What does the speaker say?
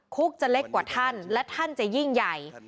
คุกจะเล็กกว่าท่านและท่านจะยิ่งใหญ่